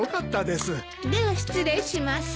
では失礼します。